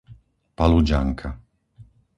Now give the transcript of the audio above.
Paludžanka